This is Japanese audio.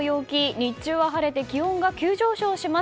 日中は晴れて気温が急上昇します。